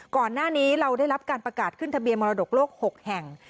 ก่อนหน้านี้เราได้รับการประกาศขึ้นทะเบียนมรดกโลก๖แห่ง